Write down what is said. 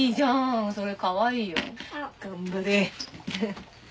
頑張れ。